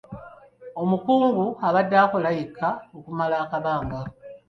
Omukungu abadde akola yekka okumala akabanga.